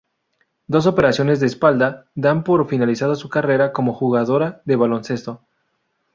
Dos operaciones de espalda, dan por finalizada su carrera como jugadora de baloncesto.